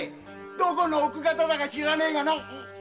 どこの奥方だか知らねえがな。